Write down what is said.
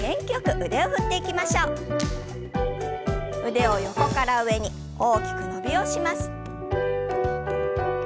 腕を横から上に大きく伸びをします。